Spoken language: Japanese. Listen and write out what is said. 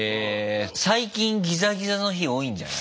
最近ギザギザの日多いんじゃない？